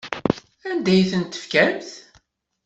Anda ay ten-tefkamt?